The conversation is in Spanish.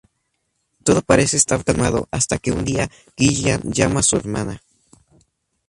Todo parece estar calmado hasta que un día Gillian llama a su hermana.